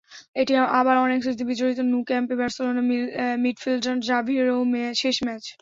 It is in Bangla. এটি আবার অনেক স্মৃতিবিজড়িত ন্যু ক্যাম্পে বার্সেলোনা মিডফিল্ডার জাভিরও শেষ ম্যাচ।